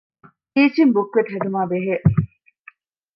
ޓީޗިންގ ބުކްލެޓް ހެދުމާބެހޭ